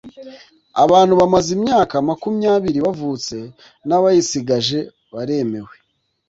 Abantu bamaze imyaka makumyabiri bavutse n’abayisagije baremewe